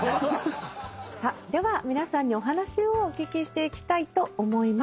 では皆さんにお話をお聞きしていきたいと思います。